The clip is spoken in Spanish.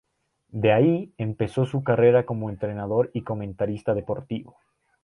De ahí, empezó su carrera como entrenador y comentarista deportivo.